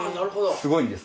すごいんです。